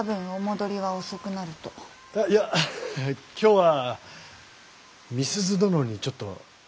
いや今日は美鈴殿にちょっと。